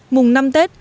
mùng năm tết